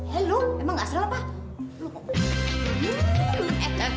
emang gak serem apa